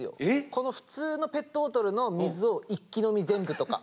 この普通のペットボトルの水を一気飲み全部とか。